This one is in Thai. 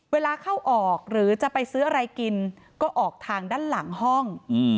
เวลาเข้าออกหรือจะไปซื้ออะไรกินก็ออกทางด้านหลังห้อง